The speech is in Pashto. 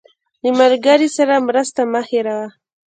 له ملګري سره مرسته مه هېروه.